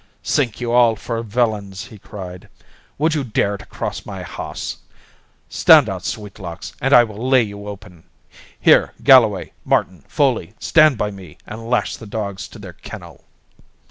"Sink you all for villains!" he cried, "Would you dare to cross my hawse? Stand out, Sweetlocks, and I will lay you open! Here, Galloway, Martin, Foley, stand by me and lash the dogs to their kennel!"